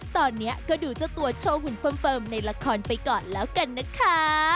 ตอนนี้ก็ดูเจ้าตัวโชว์หุ่นเฟิร์มในละครไปก่อนแล้วกันนะคะ